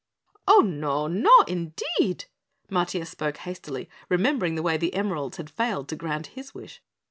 "Oh, no, NO indeed!" Matiah spoke hastily, remembering the way the emeralds had failed to grant his wish.